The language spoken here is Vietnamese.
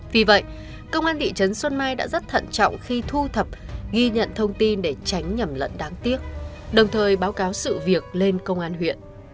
vì vậy công an thị trấn xuân mai đã rất thận trọng khi thu thập ghi nhận thông tin để tránh nhầm lẫn đáng tiếc đồng thời báo cáo sự việc lên công an huyện